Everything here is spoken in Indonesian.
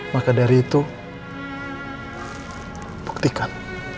maka dari itu buktikan